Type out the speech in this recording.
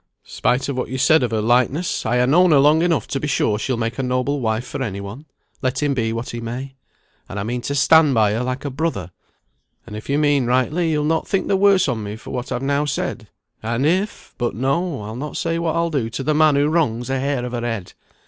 Spite of what you said of her lightness, I ha' known her long enough to be sure she'll make a noble wife for any one, let him be what he may; and I mean to stand by her like a brother; and if you mean rightly, you'll not think the worse on me for what I've now said; and if but no, I'll not say what I'll do to the man who wrongs a hair of her head.